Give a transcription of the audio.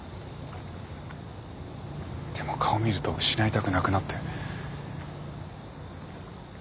でも顔見ると失いたくなくなって。